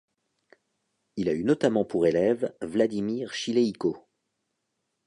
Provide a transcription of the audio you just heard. Il a eu notamment pour élève Vladimir Chileïko.